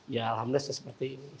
ya alhamdulillah sudah seperti ini